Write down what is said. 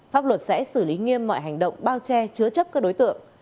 pháp luật sẽ xử lý nghiêm mọi hành động bao che chứa chấp các đối tượng